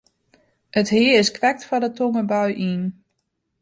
It hea is krekt foar de tongerbui yn.